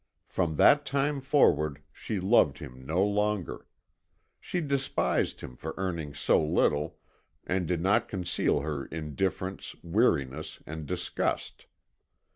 From that time forward she loved him no longer. She despised him for earning so little and did not conceal her indifference, weariness, and disgust.